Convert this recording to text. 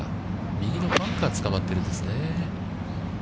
右のバンカー、つかまっているんですね。